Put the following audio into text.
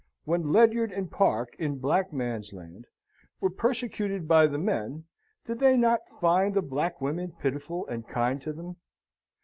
When Ledyard and Parke, in Blackmansland, were persecuted by the men, did they not find the black women pitiful and kind to them?